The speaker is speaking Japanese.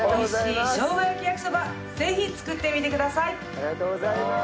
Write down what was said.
ありがとうございます！